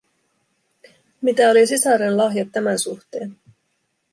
Mitä oli sisaren lahjat tämän suhteen?